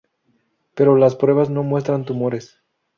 Pero las pruebas no muestran tumores.